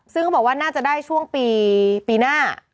ซึ่งเขาบอกว่าน่าจะได้ช่วงปีหน้า